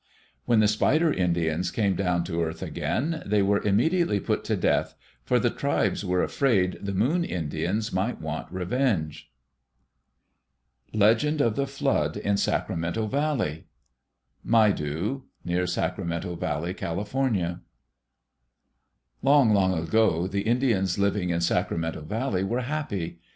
When the Spider Indians came down to earth again, they were immediately put to death, for the tribes were afraid the Moon Indians might want revenge. Legend of the Flood in Sacramento Valley Maidu (near Sacramento Valley, Cal.) Long, long ago the Indians living in Sacramento Valley were happy.